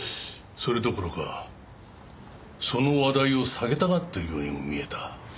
それどころかその話題を避けたがってるようにも見えた。